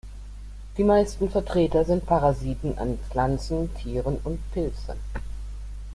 Die meisten Vertreter sind Parasiten an Pflanzen, Tieren und Pilzen.